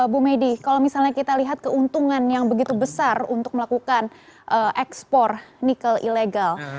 bu medi kalau misalnya kita lihat keuntungan yang begitu besar untuk melakukan ekspor nikel ilegal